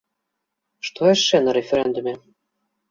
Што яшчэ на рэферэндуме?